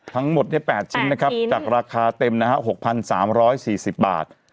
ทั้งหมด๘ชิ้นจากราคาเต็ม๖๓๔๐บาท